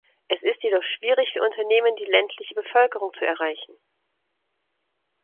Es ist jedoch schwierig für Unternehmen, die ländliche Bevölkerung zu erreichen.